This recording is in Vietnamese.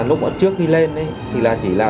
lúc trước khi lên thì là chỉ là